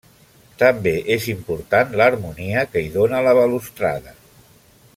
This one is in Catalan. També és important l'harmonia que hi dóna la balustrada.